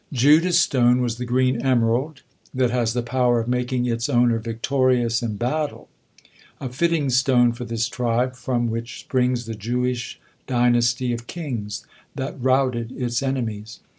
Judah's stone was the green emerald, that has the power of making its owner victorious in battle, a fitting stone for this tribe from which springs the Jewish dynasty of kings, that routed its enemies.